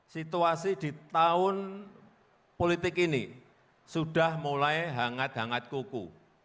situasi di tahun politik ini sudah mulai hangat hangat kuku